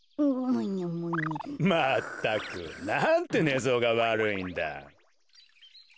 まったくなんてねぞうがわるいんだ。